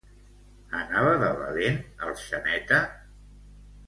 Anava de valent el Xaneta?